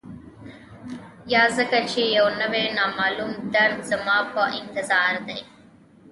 یا ځکه چي یو نوی، نامعلوم درد زما په انتظار دی